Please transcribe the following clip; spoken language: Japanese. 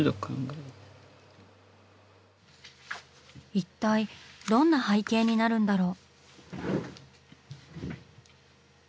一体どんな背景になるんだろう？